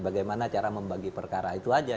bagaimana cara membagi perkara itu aja